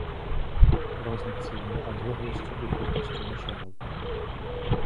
Розняцца яны адлегласцю і колькасцю мішэняў.